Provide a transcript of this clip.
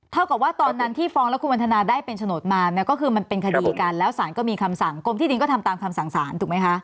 เท่ากับว่าตอนนั้นที่ฟ้องแล้วคุณวันทนาได้เป็นโฉนดมาเนี่ยก็คือมันเป็นคดีกันแล้วสารก็มีคำสั่งกรมที่ดินก็ทำตามคำสั่งสารถูกไหมคะ